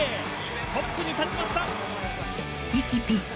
トップに立ちました。